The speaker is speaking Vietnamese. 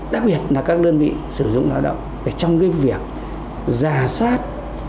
đặc biệt là các đơn vị sử dụng lao động trong việc giả soát